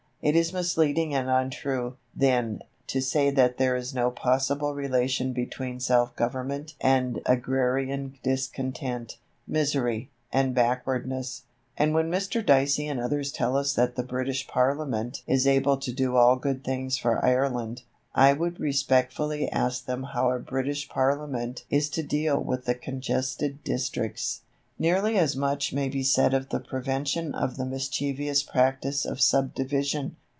It is misleading and untrue, then, to say that there is no possible relation between self government and agrarian discontent, misery, and backwardness; and when Mr. Dicey and others tell us that the British Parliament is able to do all good things for Ireland, I would respectfully ask them how a British Parliament is to deal with the Congested Districts. Nearly as much may be said of the prevention of the mischievous practice of Subdivision.